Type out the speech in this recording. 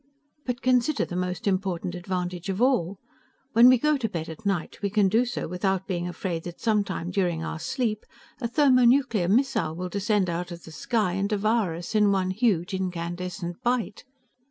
But consider the most important advantage of all: when we go to bed at night we can do so without being afraid that sometime during our sleep a thermonuclear missile will descend out of the sky and devour us in one huge incandescent bite.